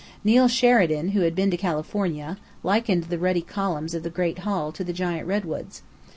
Neill Sheridan, who had been to California, likened the ruddy columns of the Great Hall to the giant redwoods.